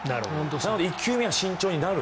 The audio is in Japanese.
なので１球目は慎重になる。